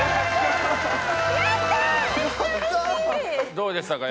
どうでしたか？